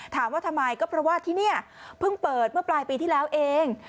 ถามว่าทำไมก็เพราะว่าที่นี่เพิ่งเปิดเมื่อปลายปีที่แล้วเอง